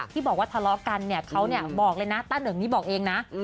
ที่บอกว่าทะเลาะกันเนี่ยเขาบอกเลยนะต้าเหนิงนี่บอกเองนะ